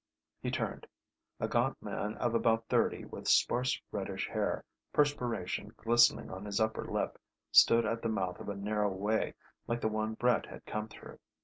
He turned. A gaunt man of about thirty with sparse reddish hair, perspiration glistening on his upper lip, stood at the mouth of a narrow way like the one Brett had come through.